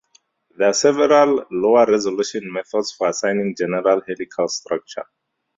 There are several lower-resolution methods for assigning general helical structure.